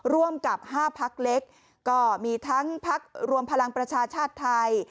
ร่วมกับ๕พักเล็กก็มีทั้งพักรวมพลังประชาชาติไทย